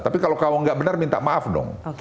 tapi kalau kamu nggak benar minta maaf dong